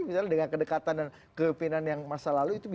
misalnya dengan kedekatan dan kepinan yang masa lalu